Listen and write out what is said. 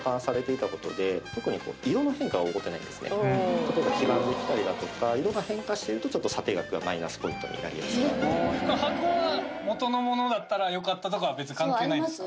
例えば黄ばんできたりだとか色が変化してるとちょっと査定額がマイナスポイントになりやすい箱は元のものだったらよかったとかは別に関係ないですか？